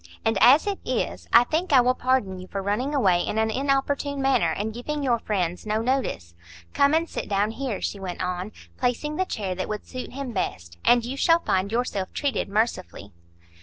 And as it is, I think I will pardon you for running away in an inopportune manner, and giving your friends no notice. Come and sit down here," she went on, placing the chair that would suit him best, "and you shall find yourself treated mercifully."